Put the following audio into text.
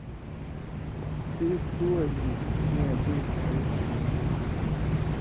صرف ݜُو وجہۡ نہ چے سیں ادوس کرچھی بنے۔